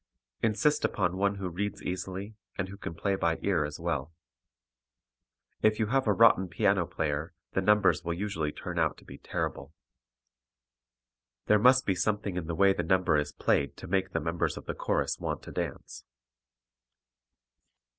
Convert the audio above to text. Insist upon one who reads easily and who can play by ear as well. If you have a rotten piano player the numbers will usually turn out to be terrible. There must be something in the way the number is played to make the members of the chorus want to dance.